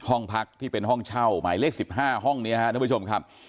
ห้องพักที่เป็นห้องเช่าหมายเลข๑๕ห้องนี้ครับท่านผู้ชมครับ